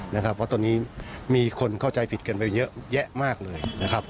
เพราะตอนนี้มีคนเข้าใจผิดกันไปเยอะแม่งมากเลย